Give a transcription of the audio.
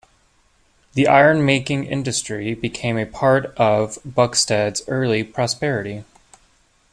The iron-making industry became a major part of Buxted's early prosperity.